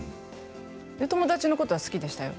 友達のことは好きでしたよ